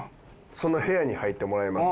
その部屋に入ってもらいます。